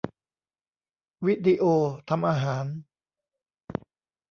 วิดีโอทำอาหาร